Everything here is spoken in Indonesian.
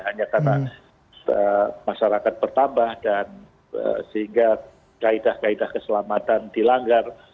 hanya karena masyarakat bertambah dan sehingga kaedah kaedah keselamatan dilanggar